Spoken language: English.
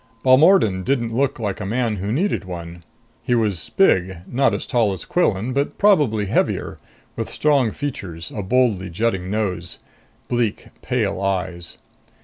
Balmordan didn't look like a man who needed one. He was big, not as tall as Quillan but probably heavier, with strong features, a boldly jutting nose. Bleak, pale eyes.